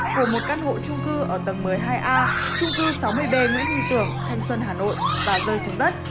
của một căn hộ trung cư ở tầng một mươi hai a trung cư sáu mươi b nguyễn y tưởng thanh xuân hà nội và rơi xuống đất